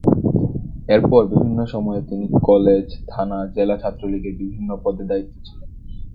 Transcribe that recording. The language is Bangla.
এরপর বিভিন্ন সময়ে তিনি কলেজ/থানা/জেলা ছাত্রলীগের বিভিন্ন পদে দায়িত্বে ছিলেন।